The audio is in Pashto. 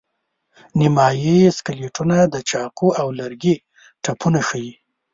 نیمایي سکلیټونه د چاقو او لرګي ټپونه ښيي.